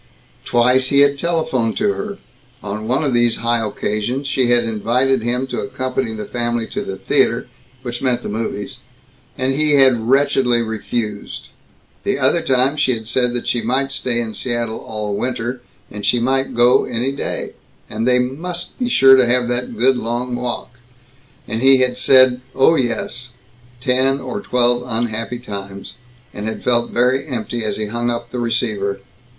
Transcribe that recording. Twice he had telephoned to her. On one of these high occasions she had invited him to accompany the family to the theater which meant to the movies and he had wretchedly refused; the other time she had said that she might stay in Seattle all winter, and she might go any day, and they "must be sure to have that good long walk"; and he had said "oh yes," ten or twelve unhappy times, and had felt very empty as he hung up the receiver.